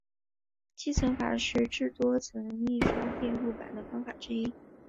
积层法是制作多层印刷电路板的方法之一。